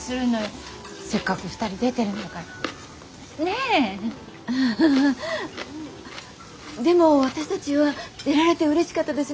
あでも私たちは出られてうれしかったです。